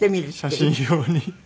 写真用に。